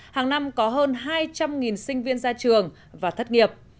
hàng năm có hơn hai trăm linh sinh viên ra trường và thất nghiệp